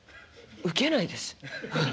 ウケないです。